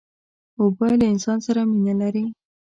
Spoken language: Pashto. اوبه له انسان سره مینه لري.